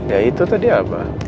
ya itu tadi apa